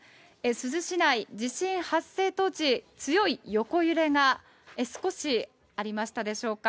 珠洲市内、地震発生当時、強い横揺れが、少しありましたでしょうか。